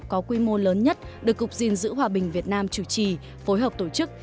có quy mô lớn nhất được cục diện giữ hòa bình việt nam chủ trì phối hợp tổ chức